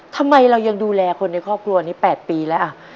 ทำไมเรายังดูแลคนในครอบครัวนี้๘ปีแล้ว